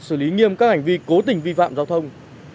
xử lý nghiêm các hành vi cố tình vi phạm giao thông